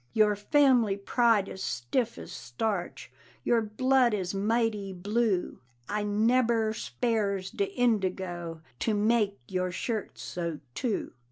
Your family pride is stiff as starch, Your blood is mighty blue I nebber spares de indigo To make your shirts so, too.